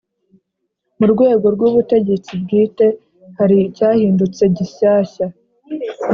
mu rwego rw'ubutegetsi bwite hari icyahindutse gishyashya.